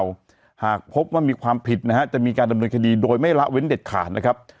หากพบว่ามีความผิดนะฮะจะมีการดำเนินคดีโดยไม่ละเว้นเด็ดขาดนะครับ